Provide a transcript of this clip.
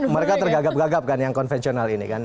mereka tergagap gagap kan yang konvensional ini kan